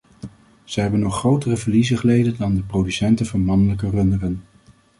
Zij hebben nog grotere verliezen geleden dan de producenten van mannelijke runderen.